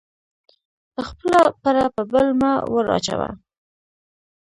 خپله پړه په بل مه ور اچوه